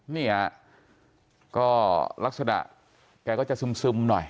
นี่ฮะก็ลักษณะแกก็จะซึมหน่อย